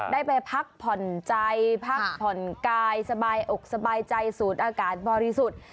ได้ไปพักผ่อนใจพักผ่อนกายสบายอกสบายใจสูดอากาศบริสุทธิ์